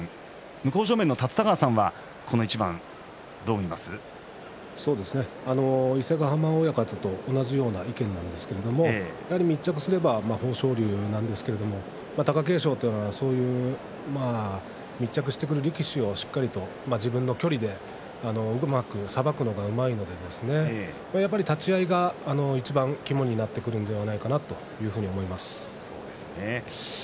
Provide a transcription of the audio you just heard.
向正面の立田川さんはこの一番伊勢ヶ濱親方と同じような意見なんですけれどもやはり密着すれば豊昇龍なんですけれども貴景勝というのはそういう密着してくる力士をしっかりと自分の距離でうまくさばくのがうまいのでやっぱり立ち合いが、いちばん肝になってくるのではないかなと思います。